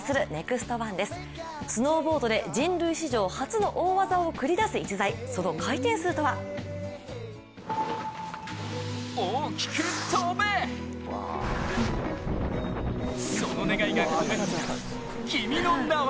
スノーボードで人類史上初の大技を繰り出す逸材、その回転数とは。